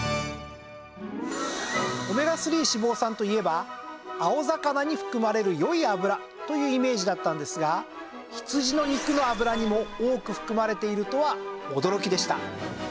オメガ３脂肪酸といえば青魚に含まれる良い脂というイメージだったんですが羊の肉の脂にも多く含まれているとは驚きでした。